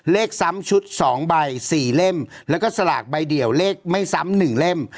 เลขซ้ำชุดสองใบสี่เล่มแล้วก็สลากใบเดี่ยวเลขไม่ซ้ำหนึ่งเล่ม